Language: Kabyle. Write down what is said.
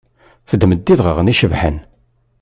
Teddem-d idɣaɣen icebḥen.